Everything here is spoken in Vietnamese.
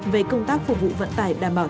về công tác phục vụ vận tải đảm bảo